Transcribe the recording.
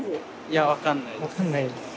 いや分かんないです。